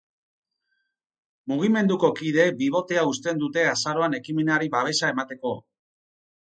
Mugimenduko kideek bibotea uzten dute azaroan ekimenari babesa emateko.